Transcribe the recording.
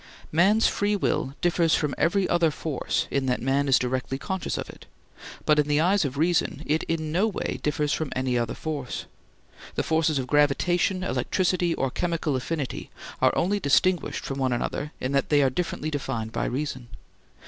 Man's free will differs from every other force in that man is directly conscious of it, but in the eyes of reason it in no way differs from any other force. The forces of gravitation, electricity, or chemical affinity are only distinguished from one another in that they are differently defined by reason.